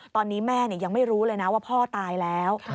ตอนนี้แม่ยังไม่รู้เลยนะว่าพ่อตายแล้ว